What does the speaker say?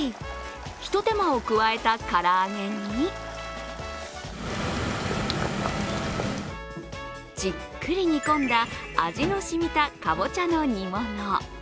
ひと手間を加えた唐揚げにじっくり煮込んだ味のしみたかぼちゃの煮物。